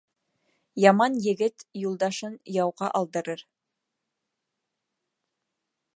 Яман егет юлдашын яуға алдырыр